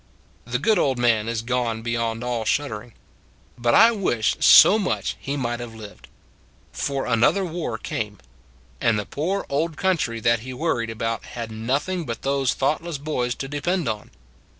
The good old man is gone beyond all shuddering: but I wish so much he might have lived. 166 The Good Old Days 167 For another war came. And the poor old country that he wor ried about had nothing but those thought less boys to depend on.